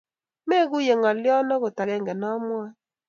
Maguiye ngolyo agot agenge nenwae